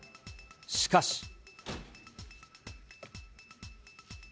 しかし。